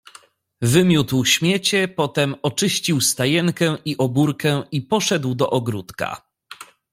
"Wymiótł śmiecie, potem oczyścił stajenkę i obórkę i poszedł do ogródka."